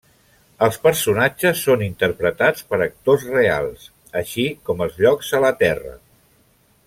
Els personatges són interpretats per actors reals, així com els llocs a la Terra.